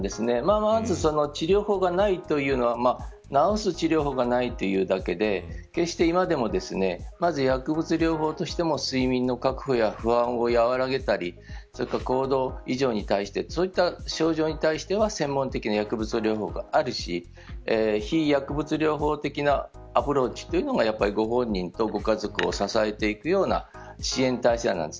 まず、治療法がないというのは治す治療法がないというだけで決して今でもまず薬物療法としても睡眠の確保や不安を和らげたりそれから行動異常に対してそういった症状に対しては専門的な薬物療法があるし非薬物療法的なアプローチというのがご本人とご家族を支えていくような支援体制なんです。